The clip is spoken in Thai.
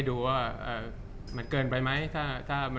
จากความไม่เข้าจันทร์ของผู้ใหญ่ของพ่อกับแม่